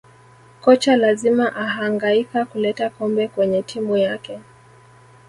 kocha lazima ahangaika kuleta kombe kwenye timu yake